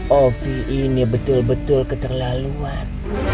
kopi ini betul betul keterlaluan